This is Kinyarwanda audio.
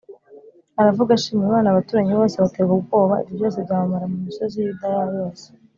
‘‘ aravuga, ashima Imana. Abaturanyi bose baterwa n’ubwoba, ibyo byose byamamara mu misozi y’i Yudaya yose.